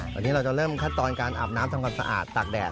วันนี้เราจะเริ่มขั้นตอนการอาบน้ำทำความสะอาดตากแดด